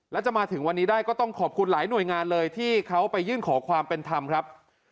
แล้วจะมาถึงวันนี้ได้ก็ต้องขอบคุณหลายหน่วยงานเลยที่เขาไปยื่นขอความเป็นธรรมครับ